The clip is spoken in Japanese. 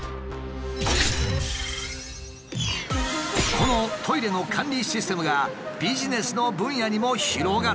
このトイレの管理システムがビジネスの分野にも広がっている。